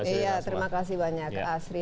iya terima kasih banyak asri